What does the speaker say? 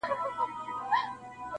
له نظمونو یم بېزاره له دېوانه یمه ستړی٫